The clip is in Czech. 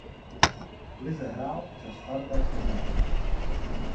V lize hrál za Spartak Trnava.